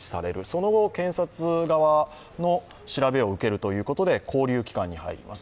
その後、検察側の調べを受けるということで勾留期間に入ります。